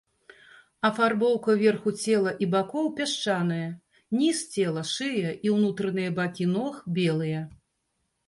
Афарбоўка верху цела і бакоў пясчаная, ніз цела, шыя і ўнутраныя бакі ног белыя.